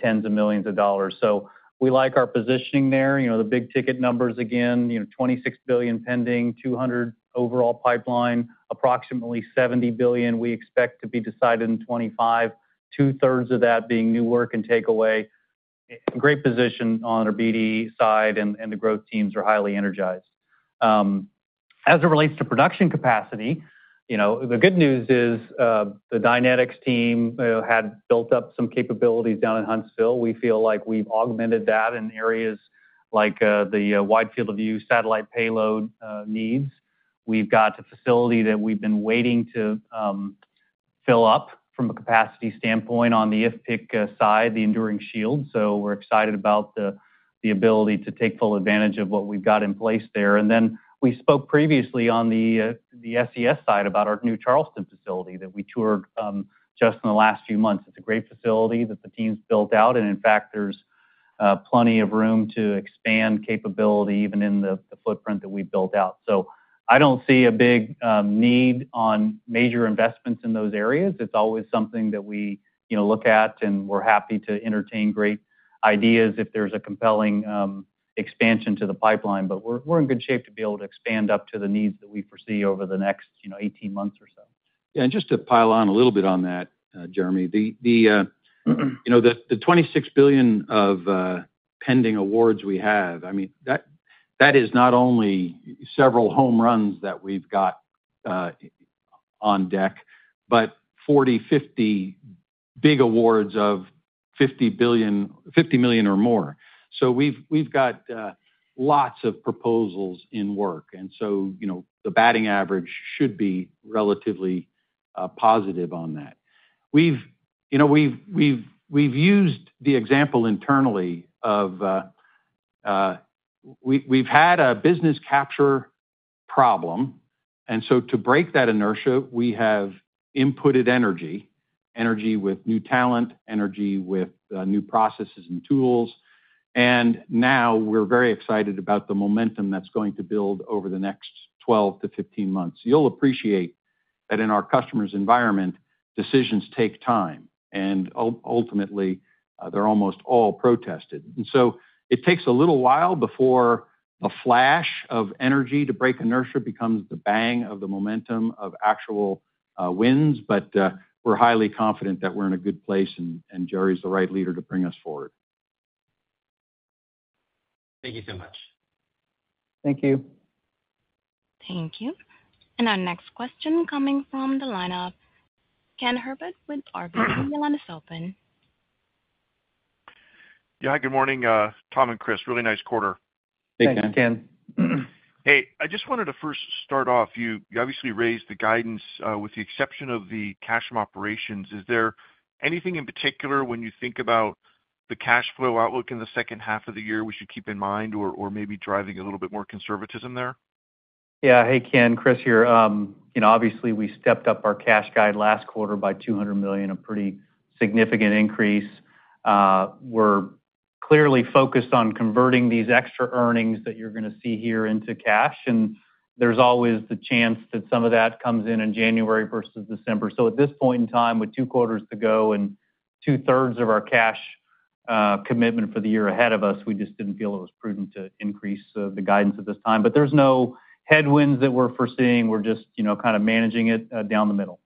tens of millions of dollars. So we like our positioning there. The big ticket numbers again, $26 billion pending, $200 billion overall pipeline, approximately $70 billion we expect to be decided in 2025, two-thirds of that being new work and takeaway. Great position on our BD side, and the growth teams are highly energized. As it relates to production capacity, the good news is the Dynetics team had built up some capabilities down in Huntsville. We feel like we've augmented that in areas like the Wide Field of View satellite payload needs. We've got a facility that we've been waiting to fill up from a capacity standpoint on the IFPC side, the Enduring Shield. So we're excited about the ability to take full advantage of what we've got in place there. And then we spoke previously on the SES side about our new Charleston facility that we toured just in the last few months. It's a great facility that the team's built out. In fact, there's plenty of room to expand capability even in the footprint that we built out. So I don't see a big need on major investments in those areas. It's always something that we look at, and we're happy to entertain great ideas if there's a compelling expansion to the pipeline. But we're in good shape to be able to expand up to the needs that we foresee over the next 18 months or so. Yeah. And just to pile on a little bit on that, Jeremy, the $26 billion of pending awards we have, I mean, that is not only several home runs that we've got on deck, but 40, 50 big awards of $50 million or more. So we've got lots of proposals in work. And so the batting average should be relatively positive on that. We've used the example internally of we've had a business capture problem. So to break that inertia, we have inputted energy, energy with new talent, energy with new processes and tools. And now we're very excited about the momentum that's going to build over the next 12-15 months. You'll appreciate that in our customer's environment, decisions take time. And ultimately, they're almost all protested. And so it takes a little while before the flash of energy to break inertia becomes the bang of the momentum of actual wins. But we're highly confident that we're in a good place, and Gerry's the right leader to bring us forward. Thank you so much. Thank you. Thank you. And our next question coming from the line of Ken Herbert with RBC. Your line is open. Yeah. Good morning, Tom and Chris. Really nice quarter. Hey, Ken. Hey, I just wanted to first start off. You obviously raised the guidance with the exception of the cash from operations. Is there anything in particular when you think about the cash flow outlook in the second half of the year we should keep in mind or maybe driving a little bit more conservatism there? Yeah. Hey, Ken, Chris here. Obviously, we stepped up our cash guide last quarter by $200 million, a pretty significant increase. We're clearly focused on converting these extra earnings that you're going to see here into cash. And there's always the chance that some of that comes in in January versus December. So at this point in time, with two quarters to go and two-thirds of our cash commitment for the year ahead of us, we just didn't feel it was prudent to increase the guidance at this time. But there's no headwinds that we're foreseeing. We're just kind of managing it down the middle.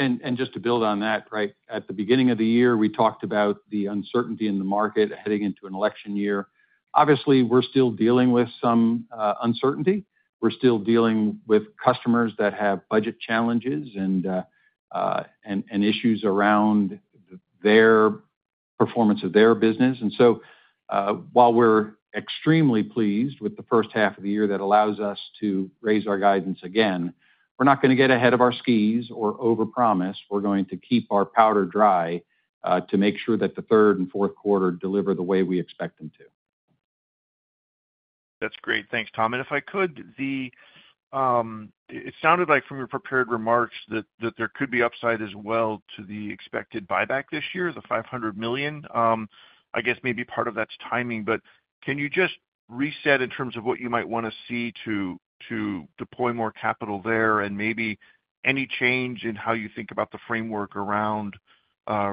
And just to build on that, right, at the beginning of the year, we talked about the uncertainty in the market heading into an election year. Obviously, we're still dealing with some uncertainty. We're still dealing with customers that have budget challenges and issues around the performance of their business. And so while we're extremely pleased with the first half of the year that allows us to raise our guidance again, we're not going to get ahead of our skis or overpromise. We're going to keep our powder dry to make sure that the third and fourth quarter deliver the way we expect them to. That's great. Thanks, Tom. And if I could, it sounded like from your prepared remarks that there could be upside as well to the expected buyback this year, the $500 million. I guess maybe part of that's timing. But can you just reset in terms of what you might want to see to deploy more capital there and maybe any change in how you think about the framework around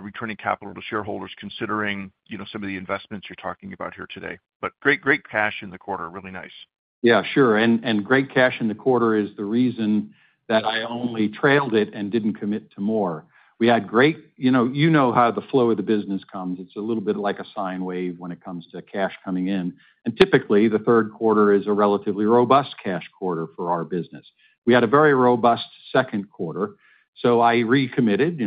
returning capital to shareholders considering some of the investments you're talking about here today? But great cash in the quarter. Really nice. Yeah, sure. And great cash in the quarter is the reason that I only trailed it and didn't commit to more. We had great you know how the flow of the business comes. It's a little bit like a sine wave when it comes to cash coming in. And typically, the third quarter is a relatively robust cash quarter for our business. We had a very robust second quarter. So I recommitted.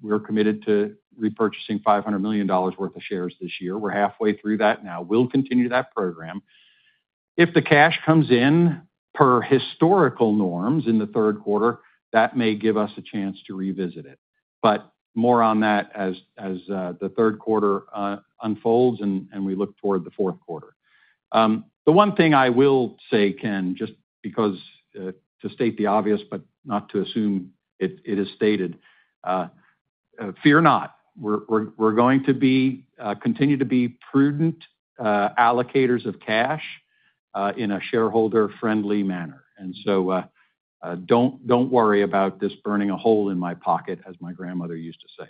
We're committed to repurchasing $500 million worth of shares this year. We're halfway through that now. We'll continue that program. If the cash comes in per historical norms in the third quarter, that may give us a chance to revisit it. But more on that as the third quarter unfolds and we look toward the fourth quarter. The one thing I will say, Ken, just because to state the obvious, but not to assume it is stated, fear not. We're going to continue to be prudent allocators of cash in a shareholder-friendly manner. And so don't worry about this burning a hole in my pocket, as my grandmother used to say.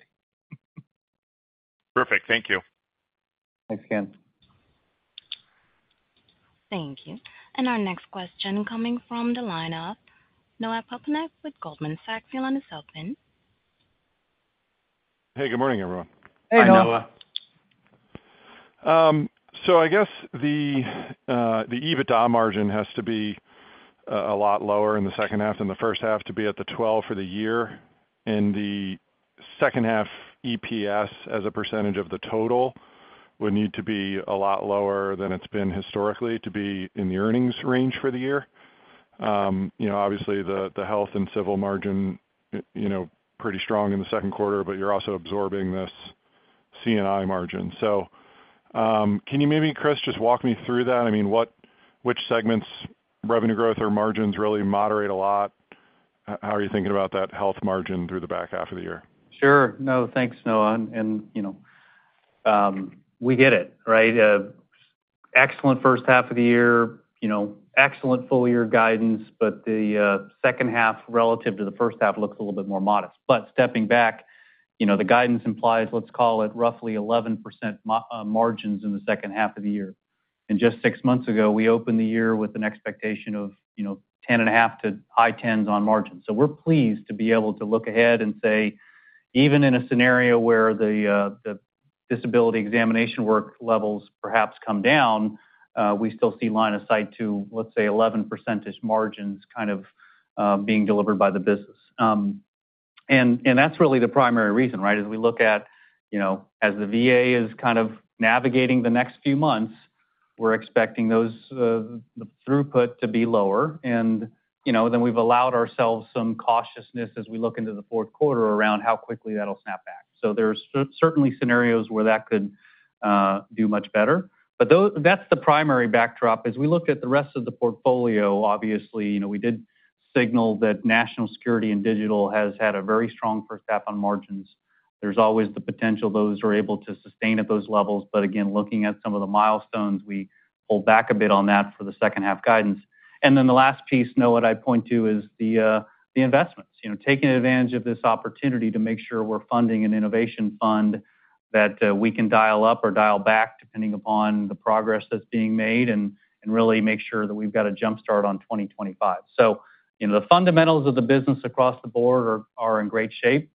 Perfect. Thank you. Thanks, Ken. Thank you. And our next question coming from the line of Noah Poponak with Goldman Sachs Your line is open. Hey, good morning, everyone. Hey, Noah. So I guess the EBITDA margin has to be a lot lower in the second half than the first half to be at the 12% for the year. And the second half EPS as a percentage of the total would need to be a lot lower than it's been historically to be in the earnings range for the year. Obviously, the Health & Civil margin pretty strong in the second quarter, but you're also absorbing this C&I margin. So can you maybe, Chris, just walk me through that? I mean, which segments' revenue growth or margins really moderate a lot? How are you thinking about that health margin through the back half of the year? Sure. No, thanks, Noah. And we get it, right? Excellent first half of the year, excellent full-year guidance, but the second half relative to the first half looks a little bit more modest. But stepping back, the guidance implies, let's call it roughly 11% margins in the second half of the year. And just six months ago, we opened the year with an expectation of 10.5% to high 10%s on margins. So we're pleased to be able to look ahead and say, even in a scenario where the disability examination work levels perhaps come down, we still see line of sight to, let's say, 11% margins kind of being delivered by the business. And that's really the primary reason, right? As we look at, as the VA is kind of navigating the next few months, we're expecting the throughput to be lower. And then we've allowed ourselves some cautiousness as we look into the fourth quarter around how quickly that'll snap back. So there's certainly scenarios where that could do much better. But that's the primary backdrop. As we look at the rest of the portfolio, obviously, we did signal that National Security and Digital has had a very strong first half on margins. There's always the potential those are able to sustain at those levels. But again, looking at some of the milestones, we pull back a bit on that for the second half guidance. And then the last piece, Noah, what I point to is the investments. Taking advantage of this opportunity to make sure we're funding an innovation fund that we can dial up or dial back depending upon the progress that's being made and really make sure that we've got a jumpstart on 2025. So the fundamentals of the business across the board are in great shape.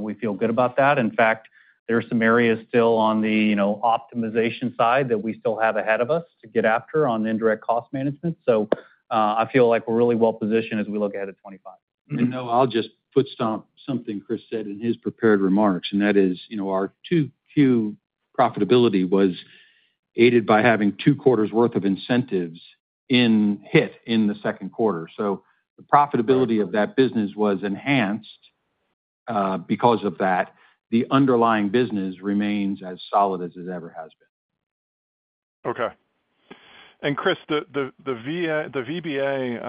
We feel good about that. In fact, there are some areas still on the optimization side that we still have ahead of us to get after on indirect cost management. So I feel like we're really well positioned as we look ahead to 2025. Noah, I'll just footstomp something Chris said in his prepared remarks. And that is our 2Q profitability was aided by having two quarters' worth of incentives in hit in the second quarter. So the profitability of that business was enhanced because of that. The underlying business remains as solid as it ever has been. Okay. And Chris, the VBA,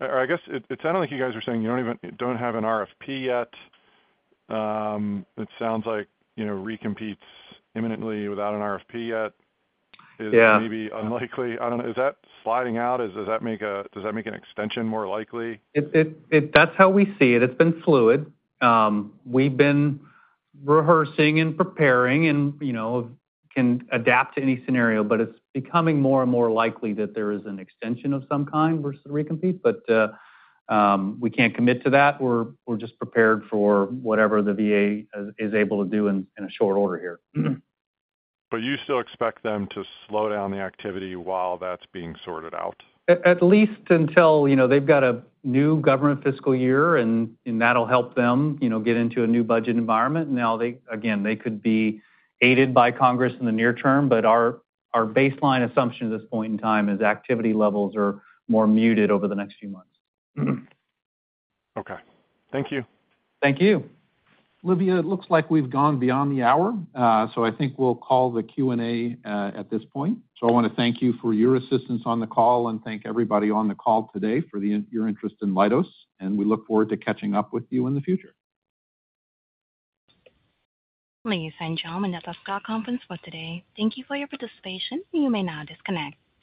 or I guess it sounded like you guys were saying you don't have an RFP yet. It sounds like recompetes imminently without an RFP yet is maybe unlikely. I don't know. Is that sliding out? Does that make an extension more likely? That's how we see it. It's been fluid. We've been rehearsing and preparing and can adapt to any scenario, but it's becoming more and more likely that there is an extension of some kind versus recompete. But we can't commit to that. We're just prepared for whatever the VA is able to do in a short order here. But you still expect them to slow down the activity while that's being sorted out? At least until they've got a new government fiscal year, and that'll help them get into a new budget environment. Now, again, they could be aided by Congress in the near term, but our baseline assumption at this point in time is activity levels are more muted over the next few months. Okay. Thank you. Thank you. Olivia, it looks like we've gone beyond the hour. So I think we'll call the Q&A at this point. I want to thank you for your assistance on the call and thank everybody on the call today for your interest in Leidos. We look forward to catching up with you in the future. Ladies and gentlemen, that's our conference for today. Thank you for your participation. You may now disconnect.